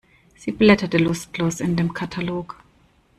Sie blätterte lustlos in dem Katalog.